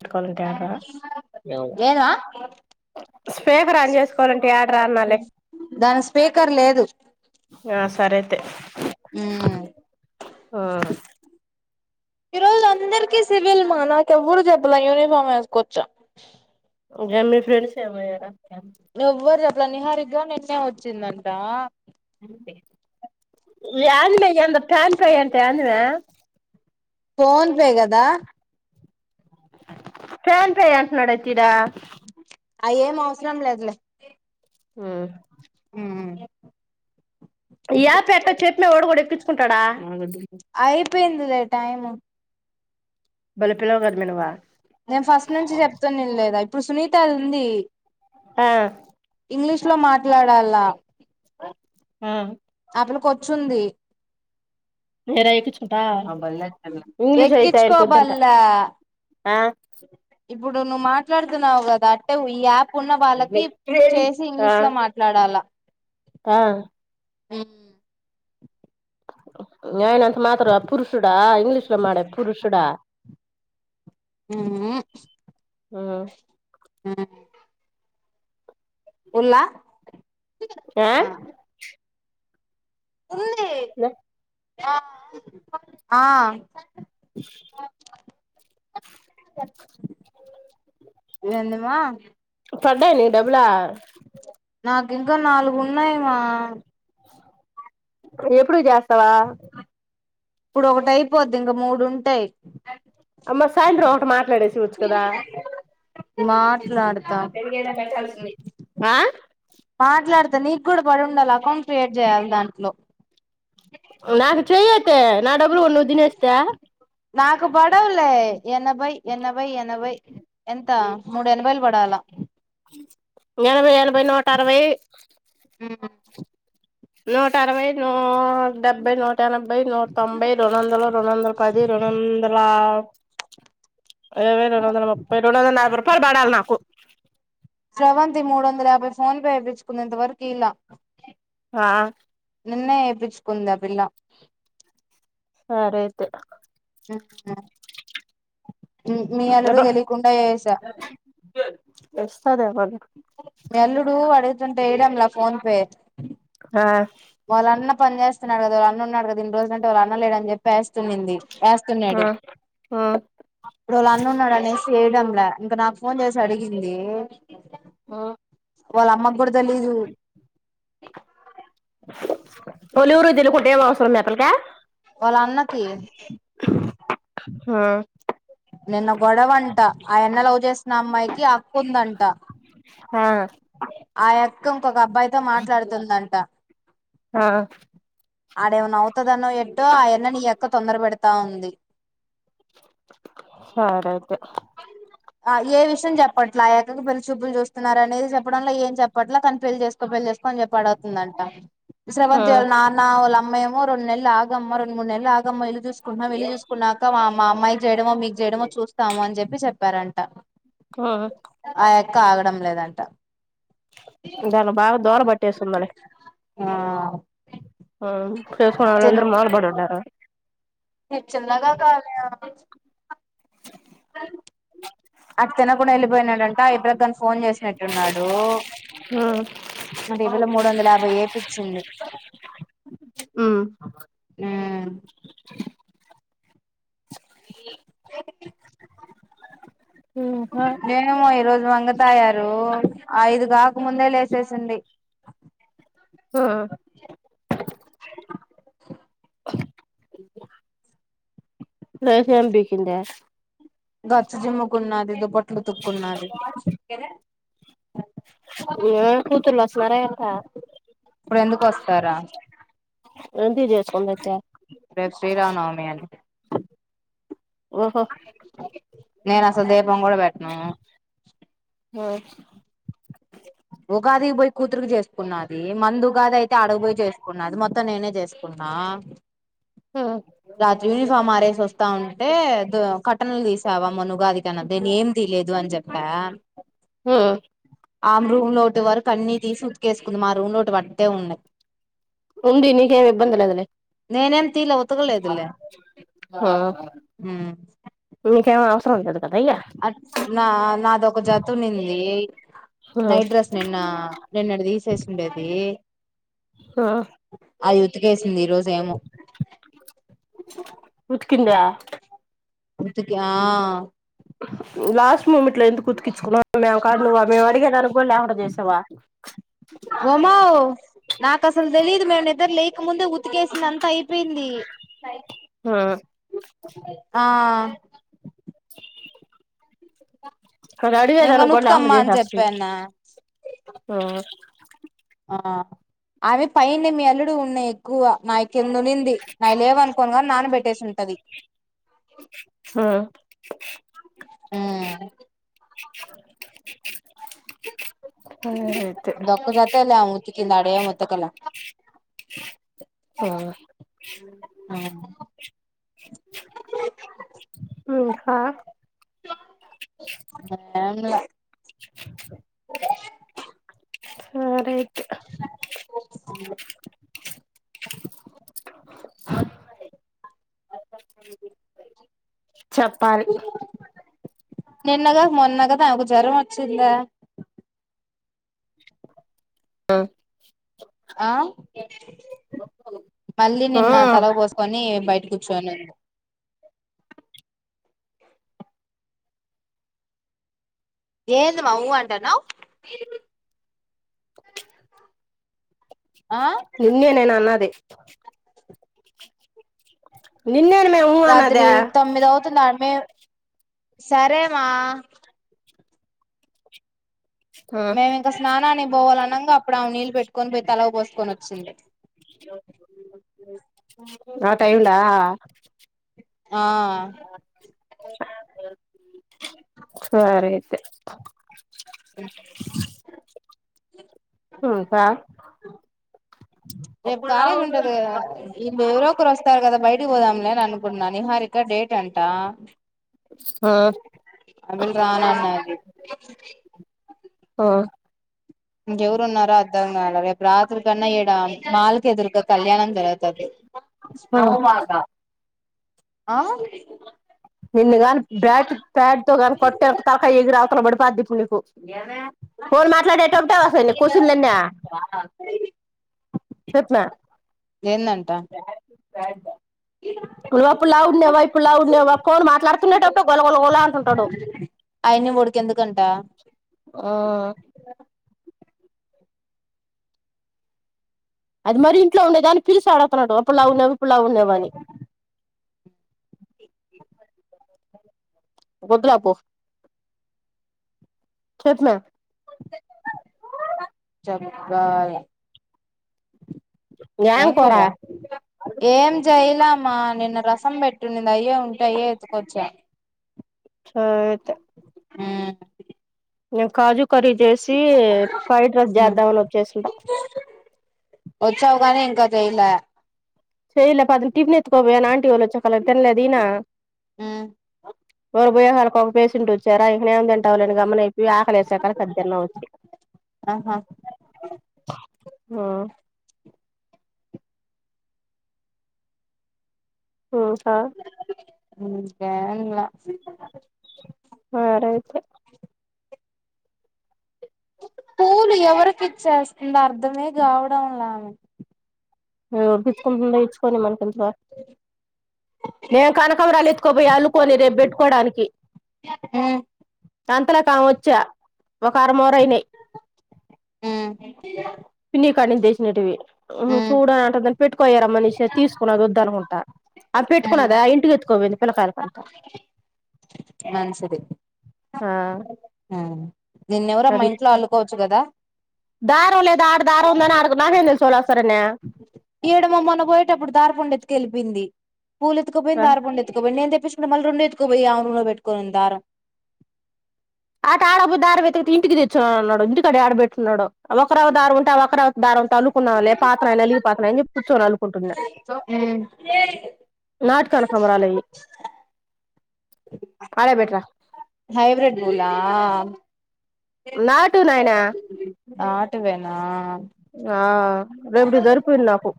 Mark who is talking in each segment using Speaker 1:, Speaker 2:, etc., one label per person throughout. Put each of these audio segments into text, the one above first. Speaker 1: పెట్టుకోవాలంటే ఆడరా speaker on చేసుకోవాలంటే యాడరా అన్నాలే
Speaker 2: దానిక్ స్పీకర్ లేదు
Speaker 1: ఆ సరే అయితే
Speaker 2: మ్
Speaker 1: ఆ
Speaker 2: ఈరోజులో అందరికీ సివిల్ మా నాకెవ్వరు చెప్పేలా యూనిఫార్ ఎస్కోచ్చ
Speaker 1: ఇంకా మీ ఫ్రెండ్స్ ఏమయ్యారా
Speaker 2: ఎవ్వర్ చెప్పలె నిహారి క నిన్నే వచ్చిందంట.
Speaker 1: యందే ఏందో ప్యాన్ ఫై ఎంత అందునా
Speaker 2: ఫోన్పే కదా
Speaker 1: ప్యాన్ పే అంటున్నాడ్ అయితే ఈడ
Speaker 2: అయి ఏం అవసరం లేదులే
Speaker 1: ఉ
Speaker 2: ఉ
Speaker 1: యా ఎట్ట చెప్పే ఓడగుడ కుంటడా
Speaker 2: అయి పేన్దిలే టైమ్
Speaker 1: బల పిలో గ మనవా
Speaker 2: నేను ఫస్ట్ నుంచి చెప్తున్న వినలేదా మా సునీత ఉంది
Speaker 1: ఆ
Speaker 2: ఇట్లో మాట్లాడాల
Speaker 1: ఉ
Speaker 2: కొచ్చుంది
Speaker 1: నేర ఎక్కిచుంకూన్టా ఆ ఇంగ్లీష్ అయితే అయిపోదంట
Speaker 2: ఎక్కించుకోబల్లా
Speaker 1: ఆ
Speaker 2: ఇప్పుడు నువ్వు మాట్లాడుతున్నావు కదా అంటే ఈ యాప్ ఉన్న వాళ్ళకి చేసి
Speaker 1: ఆ
Speaker 2: ఇంగ్లీష్ లో మాట్లాడాల
Speaker 1: ఆ
Speaker 2: ఉ
Speaker 1: మీ ఆయన అంత పురుషుడా ఇంగ్లీష్ లో మాడే పురుషుడా
Speaker 2: ఊ
Speaker 1: ఆ
Speaker 2: ఉ ఉల్ల
Speaker 1: ఆ
Speaker 2: ఉంది
Speaker 1: రే
Speaker 2: ఆ
Speaker 1: స
Speaker 2: ఏందమా
Speaker 1: పడ్డాయ నీ డబ్బులా
Speaker 2: నాకు ఇంకా నాలుగు ఉన్నాయమా
Speaker 1: ఎప్పుడు చెస్ స్తవా
Speaker 2: ఇప్పుడు ఒకటియిపోద్ది ఇంగ మూడు ఉంటాయి
Speaker 1: అమ్మ సాయంత్రం ఒకటి మాట్లాడేసి ఉచ్చు కదా
Speaker 2: మాట్లాడు
Speaker 1: పెరిగైన పెట్టాల్సింది ఆ
Speaker 2: మాట్లాడుతే నీకు కూడా పడిండాలి అకౌంట్ క్రియేట్ చేయాలి దాంట్లో
Speaker 1: నాకు చెయచ్చ తే నా డబ్లు నువ్వు తినేస్తే
Speaker 2: నాకు పడవలే ఎనబై ఎ అరవై ఎనభై ఎంత మూడు ఎనభైలు పడాలా
Speaker 1: ఎనభై ఎనభై నూట అరవై
Speaker 2: ఆ
Speaker 1: నూట అరవై నూ డెబ్బై నూట నూట ఎనభై నూట తొంభై రెండు వందల రెండు వందల పది రెండు వందల అ రెండు వందల ముప్పై రెండు వందల నలభై రూపాయలు పడాలి నాకు
Speaker 2: శ్రవంతి మూడు వందల యాభై ఫోన్ పే ఏపించుకుంది ఇంతవరకు ఇలా
Speaker 1: ఆ
Speaker 2: నిన్నే వేయిించుకుంది ఆ పిల్ల
Speaker 1: సరే అయితే
Speaker 2: ఆ మీ అల్లుడు తెలియకుండా వసా
Speaker 1: ఎస్
Speaker 2: నీ అల్లుడు అడుగుతుంటే వేయడంలా ఫోన్ పే
Speaker 1: ఆ
Speaker 2: వాళ్ళన్న పని చేస్తున్నాడుదా వాళ్ళ అన్నున్నాడు కదా ఇ రజులంటే వాళ్ళ అన్న లేడని చెప్పేస్త ది
Speaker 1: ఆ
Speaker 2: వేస్తున్నాడు ఇప్పుడు వాళ అన్నున్నాడు అనేసి వయడంలా ఇంక నాకు ఫోన్ చేసి అడిగింది
Speaker 1: ఆ
Speaker 2: వాళ్ళ అమ్మ కూడా దలీజ
Speaker 1: పలివురు ఇలు కుట్టే అవసర మేక్కలక
Speaker 2: వాళ్ళ అన్నకి
Speaker 1: హ
Speaker 2: నిన్న గొడవంట ఆ ఎన్న వ్ చేసిన అమ్మాయికి కొంట
Speaker 1: ఆ
Speaker 2: ఆయా త ఒక అబ్బాయితో మాట్లాడుతుందంట
Speaker 1: ఆ
Speaker 2: ఆడేమన్న అవుతదన్నో ఎట్టో ఆ యన్న నీ క్క తొందర పెెడతా ఉంది
Speaker 1: సరే అయితే
Speaker 2: ఆ ఏ విషయం చెప్పట్లే ఆ క్కకి పెళ్లిి చూపులు చూస్తున్నారనేది చెప్పడంలే ఏం చెప్పట్లే కానీ పెళ్లిి చేసుకో పెళ్ళి చేసుకో అని చెప్పి అడుగుతుందంట
Speaker 1: ఆ
Speaker 2: శ్రవంతి వాళ్ళ నానా వాల్ అమే ఏమో రెండు నెళ్ళు ఆగమ్మ రెండ్ మూడు నెల్లు ఆగమ్మ ఇల్లు చూస్ కుటున్నం ఇల్లు చూసుకున్నాక మా అమ్మాయికి చేయడం మిక్ మీమో చూస్తాము అని చెప్పి చెప్పారంట
Speaker 1: ఆ
Speaker 2: కాగడం లేదంట
Speaker 1: దాని బాగా దూల పట్టేస్తుంది లే
Speaker 2: ఆ
Speaker 1: ఆ చెసుకూన్నోళ్ళందరు ములబడుండారు
Speaker 2: నిక్ చిన్న గా కాల్ నే అ అటు తినకుండా వెళ్ళిపోయినాడంట ఇప్పుడే తాను ఫోన్ చేసినట్టున్నాడు
Speaker 1: ఆ
Speaker 2: మరి ఇవేళ మూడు వందల యాభై వేపిచ్చింది
Speaker 1: హు
Speaker 2: ఆ అ
Speaker 1: ఇంకా
Speaker 2: మేము ఈ రోోజ్ వంగతాయారు ఐదు కాక ముందే లేసేసింది
Speaker 1: ఆ లేసేంపికిందా
Speaker 2: గచ్చిజీమ్ముకున్నది దుప్ ట్లుత్తుక్కున్నది
Speaker 1: అ కుతూళ్ళు వస్తున్నారా ఎట్ట
Speaker 2: ఇప్పుడు ఎందుకు వస్తారా
Speaker 1: ఏంటిది
Speaker 2: రేపు శ్రీరామానవమి అని
Speaker 1: ఓహో
Speaker 2: నేను అసలు దీపం కూడా పెట్టాను
Speaker 1: మ్
Speaker 2: ఉగాదికి పోయి కూతుకి చేసుకున్నది మంది ఉగాది అయితే అడకు పోయి చేసుకున్నది మొత్తం నేనే చేసుకున్నా
Speaker 1: ఆ
Speaker 2: రాత్రి యూనిఫామ్ ఆరేసి వస్తా ఉంటే దు కటన్లు తీస్ త్యవమ్మ నువ్ ఉగాది కన్నా నేనేం తీలేదు అని చెప్పా
Speaker 1: ఆ
Speaker 2: ఆమ్ రూమ్ లోతి వరకు అన్ని తీసి ఉతికేసుకుంది మా అత్త రూమ్ లోటు అంతే ఉన్నాయి
Speaker 1: ఉండి నీకేం ఇబ్బంది లేదులే
Speaker 2: నేనేం తీయలే
Speaker 1: నీకేం స [unintelligible]
Speaker 2: అట్ నా నాదొక జతోన్నింది
Speaker 1: ఆ
Speaker 2: నైట్ డ్రెస్ నిన్న నిన్నటి తీసేసినేది
Speaker 1: ఆ
Speaker 2: అయ్యి ఉతికేసింది ఈరోజు ఏమో
Speaker 1: [inaudible]
Speaker 2: ఉతుకి ఆ
Speaker 1: లాస్ట్ మూమిట్లో ఎందుకు కుతుకిచ్చుకున్నా మేము కా నువా మేము అడిగేదానికి కూడా లేకుండా చేసావా [unintelligible]
Speaker 2: తెలిలీదు మేము నిద్దర లేయకముందే ఉతికేసింది అంత అయిపోయింది
Speaker 1: ఆ [unintelligible]
Speaker 2: అ [unintelligible] నేను
Speaker 1: అడిగేదానికి
Speaker 2: గాని
Speaker 1: కూడా లేకుండా
Speaker 2: ఉతుకమ్మా అని
Speaker 1: చేసేస్తుంది
Speaker 2: చెప్పాను ఆ అవి పైంది మీ అల్లుడు ఉన్నాయి ఎక్కువ మావి కింద ఉన్నింది నాయి లేవు అనుకోని నానబెట్టేసుంటాది
Speaker 1: ఆ
Speaker 2: హుమ్
Speaker 1: ఆ అయితే
Speaker 2: కింది ఆడ ఏం వితకల
Speaker 1: ఆ హా
Speaker 2: మ సే
Speaker 1: సరే అ చెప్పాలి
Speaker 2: నిన్నగాక మొన్న కద నాకు జ్వరం వచ్చిందా
Speaker 1: ఆ
Speaker 2: ఆ మళ్ళీ
Speaker 1: ఆ
Speaker 2: నిన్న తలకు పోసుకొని బయటకు కూర్చోనును ఏంది మా ఊ అంటన్నావ్ ఆ
Speaker 1: నిన్నే నేను అన్నది నిన్నేను మేము ఊ
Speaker 2: రాత్రి
Speaker 1: అన్నదా
Speaker 2: తొమ్మిది అవుతుంది [unintelligible] సరేమా మేము ఇంకా స్నానానికి పోవాలన్నా అనంగా అప్పుడు అమే నీళ్ళు పెట్టుకోనిపోయి తల పోసుకని వచ్చింది
Speaker 1: నా టైమ్లా
Speaker 2: ఆ
Speaker 1: సరే [inaudible]
Speaker 2: [inaudible]
Speaker 1: [unintelligible] ఆ
Speaker 2: రేపు కాలేజ్ ఉంటది కదా ఇం ఎవర ఒకరు వస్తారు కదా బయట గుడికి పొదంలే అనుకున్నా నిహారిక డేట్ అంటా
Speaker 1: ఆ
Speaker 2: ఆ పిల్ల రాను అన్నాది
Speaker 1: ఆ
Speaker 2: ఇంకా ఎవరు ఉన్నారో అర్థం కాలే రేపు రాత్రి క అన్నా మాల్ మాల్కి ఎదురుగా కళ్యాణం జరుగుతది
Speaker 1: నవమాస
Speaker 2: ఆ
Speaker 1: నిన్ను గాని బ్యాట్ బ్యాట్ తో కాని కొట్టను అనుకో తలకాయ ఎగిరి అవతల బడతది పాద్ది పులిపో ఉ ఏమే ఫోన్ మాట్లాడేటప్పుడు వస్తాయి నీ క్వాషన్లు అన్ని చెప్పుమా
Speaker 2: ఏందంట
Speaker 1: రాయొద్ద ఆప్పుడు లావు ఉన్నవ ఇప్పుడు లావు ఉన్నవ ఫోన్ మాట్లాడుతునేటప్పుడు గొలగొలగోలా అంటుంటాడు
Speaker 2: అయన్ని వాడికి ఎందుకంట
Speaker 1: ఆ అది మరి ఇంట్లో ఉండేది దాన్ని పిలిసి ఆడుగుతున్నాడు అప్పుడు లావు ఉన్నావ ఇప్పుడు లావు ఉన్నావ అని వద్దులే పో చెప్పమ్మా
Speaker 2: [unintelligible] ఏం కూర ఏం చేయలామ్మా నిన్న రసం
Speaker 1: సరే అయితే
Speaker 2: ఉమ్
Speaker 1: నేను కాజు కర్రీ చేసి ఫ్రైడ్ రైస్ చేద్దామని వచ్చేసింటా
Speaker 2: వచ్చావుకానీ ఇంకా చేయల
Speaker 1: చేయలే పొద్దున టిఫిన్ ఎత్తుకుపోయా ఆంటీ వాళ్లొచ్చి వాళ్లు తినలేదు ఈయన
Speaker 2: మ్మ్
Speaker 1: ఒకరు పోయాక ఒక పేషెంట్ వచ్చారా ఐ ఏం తింటాం లే అని గమ్మున ఎల్లిపోయి ఆకలేసాక తిందాం అని ఒచ్చిన
Speaker 2: ఆహా
Speaker 1: ఆ ఉమ్ హు
Speaker 2: [inaudible] [unintelligible]
Speaker 1: సరే అయితే
Speaker 2: పూలు ఎవరికి ఇచ్చేస్తుంది అర్ధమే కావడంలే
Speaker 1: ఎరికిచ్చుకుంటుందో ఇచ్చుకోని మనకెందుకు రా నేను కనకంబరాలు ఎత్తుకోబయి అల్లుకొని రేపు పెట్టుకోడానికి
Speaker 2: మ్మ్
Speaker 1: అంతలోకి ఆమె వచ్చా ఒక అరమూర అయినయి
Speaker 2: మ్మ్
Speaker 1: కనీ [unintelligible] హూ
Speaker 2: మ్మ్
Speaker 1: చూడదంట కని పెట్టుకోయే రమ్మని ఇస్తే తీసుకున్నది వద్దు అనకుం ట అవి పెట్టుకున్నదా ఇంటికి ఎత్తుకోబొయింది పిల్లకాయలకంతా ఆ
Speaker 2: హ్మ్ నిన్నేఎవరమ్మా ఇంట్లో అల్లుకోవచ్చు కదా
Speaker 1: దారం లేదా ఆడ దారం ఉందని నాకెం తెలుసు [unintelligible]
Speaker 2: ఈడ మొమొన్న పోయేటప్పుడు ధారపుండ ఎత్తుకెళ్లిపోయింది పూలేతుకుపోయింది దారపుండ ఎత్తకపోయింది నేను తే చ్చిన మళ్లీ రెండు ఎత్తుకొపోయి ఆమె రూములో పెట్టుకోనింది దారం
Speaker 1: ఆటాడబుద్ధి ఆడ వెతికితే ఇంటికి తెచ్చినానన్నాడు ఇంటికాడ యాడపెట్టినడో ఒక్క రవ్వ దారం ఉంటే ఆ ఒక రవ్ దారం టల్లుకున్నా లే పాతున్నయ్ నలిగిపాతున్నాయ్ అని చెప్పి కూర్చొని అల్లుకుంటున్న
Speaker 2: మ్మ్
Speaker 1: నాటు కనకంరాలయి ఆడే బెట్రా
Speaker 2: హైబ్రిడ్ పూల
Speaker 1: నాటు నాయనా
Speaker 2: నా
Speaker 1: ఆ రేపుటికి దొరకువిడు నాకు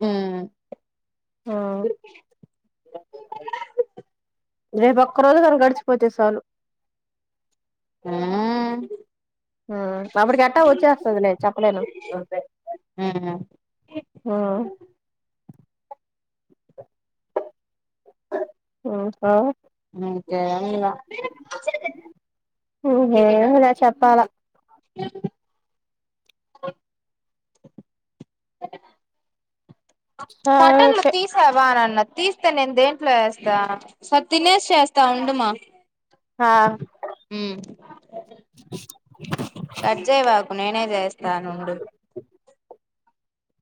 Speaker 2: ఊ
Speaker 1: ఆ రేపు ఒక్కరోజు గాని గడిచిపోతే చాలు
Speaker 2: మ్మ్
Speaker 1: అప్పటికి ఎట్టా వచ్చేస్తుందిలే చెప్పలేను
Speaker 2: మ్మ్
Speaker 1: ఉ హా
Speaker 2: హ్మ్ చేయాలి ఇంగా
Speaker 1: హ్మ్ హు నువ్వే చెప్పాలా సరే
Speaker 2: కటాన్లు
Speaker 1: అయితే
Speaker 2: తీశావా అని అన్ న్న తీస్తే నేను దేంట్లో ఏస్తా సారే తినేసి చేస్తా ఉడుమా
Speaker 1: ఆ
Speaker 2: ఊ కట్చేయవాకు నేనే చేస్తానుండు